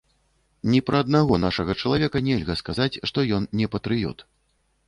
Ні пра аднаго нашага чалавека нельга сказаць, што ён не патрыёт.